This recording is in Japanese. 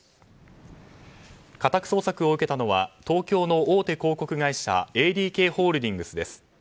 家宅捜索を受けたのは東京の大手広告会社ＡＤＫホールディングスです。